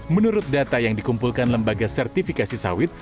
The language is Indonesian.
menurut data yang dikumpulkan lembaga sertifikasi sawit